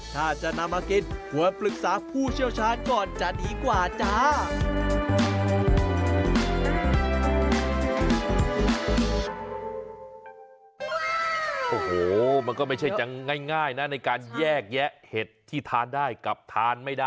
ถ้าจะนำมากินควรปรึกษาผู้เชี่ยวชาญก่อนจะดีกว่าจ้า